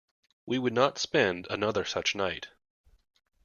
We would not spend another such night.